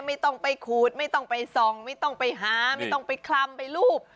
ไม่ต้องไปขูดไม่ต้องไปส่องไม่ต้องไปหาไม่ต้องไปคลำไปรูป